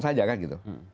salaman saja kan gitu